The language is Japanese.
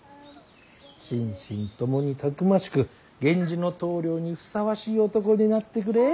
心身ともにたくましく源氏の棟梁にふさわしい男になってくれ。